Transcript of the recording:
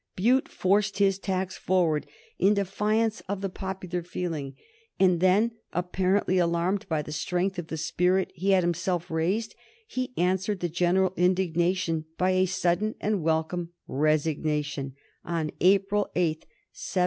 Bute forced his tax forward in defiance of the popular feeling, and then, apparently alarmed by the strength of the spirit he had himself raised, he answered the general indignation by a sudden and welcome resignation on April 8, 1763.